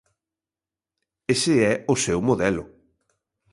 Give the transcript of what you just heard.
Ese é o seu modelo.